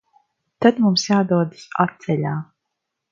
Tad mums jādodas atceļā.